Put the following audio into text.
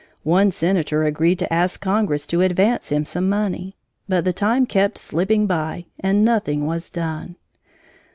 One senator agreed to ask Congress to advance him some money. But the time kept slipping by, and nothing was done.